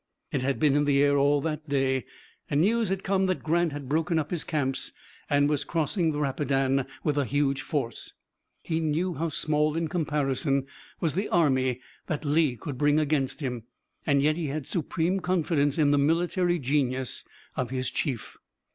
It had been in the air all that day, and news had come that Grant had broken up his camps and was crossing the Rapidan with a huge force. He knew how small in comparison was the army that Lee could bring against him, and yet he had supreme confidence in the military genius of his chief.